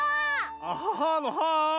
アハハのハー！